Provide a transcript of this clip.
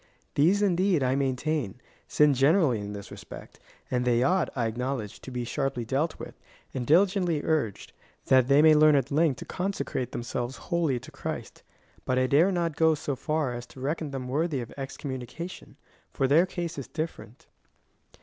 These indeed, I maintain, sin generally in this respect, and they ought, I acknowledge, to be sharply dealt with, and diligently urged,^ that they may learn at length to consecrate themselves wholly to Christ ; but I dare not go so far as to reckon them worthy of excommunication, for their case is different.